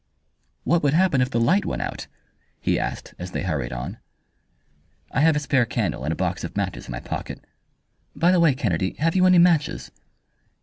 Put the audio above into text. "What would happen if the light went out?" he asked, as they hurried on. "I have a spare candle and a box of matches in my pocket. By the way, Kennedy, have you any matches?"